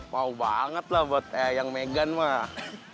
mau banget lah buat yang meghan mah